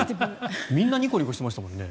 みんなにこにこしてましたもんね。